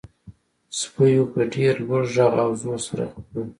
سپیو په ډیر لوړ غږ او زور سره غپل